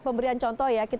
pemberian contoh ya